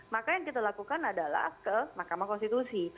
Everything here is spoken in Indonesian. maka yang kita lakukan adalah ke mahkamah konstitusi